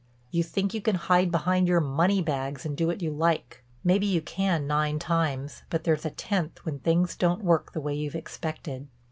You think you can hide behind your money bags and do what you like. Maybe you can nine times, but there's a tenth when things don't work the way you've expected.